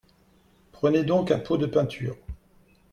Prenez donc un pot de peinture